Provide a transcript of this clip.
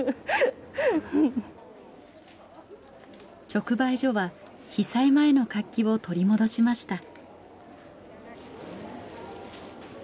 直売所は被災前の活気を取り戻しました。